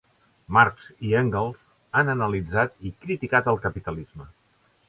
Marx i Engels han analitzat i criticat el capitalisme.